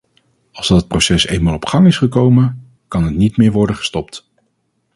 Als dat proces eenmaal op gang is gekomen, kan het niet meer worden gestopt.